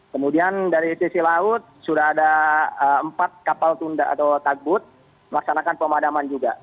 kemudian dari sisi laut sudah ada empat kapal tunda atau takbut melaksanakan pemadaman juga